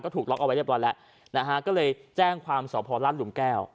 ถูกล็อกเอาไว้เรียบร้อยแล้วนะฮะก็เลยแจ้งความสพลาดหลุมแก้ว